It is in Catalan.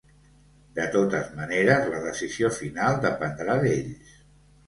De totes maneres, la decisió final dependrà d’ells.